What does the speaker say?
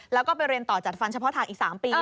แล้วก็ไปเรียนต่อจัดฟันเฉพาะทางอีก๓ปี